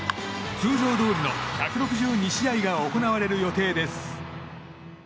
通常どおりの１６２試合が行われる予定です。